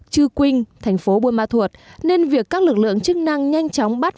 chư quynh thành phố buôn ma thuột nên việc các lực lượng chức năng nhanh chóng bắt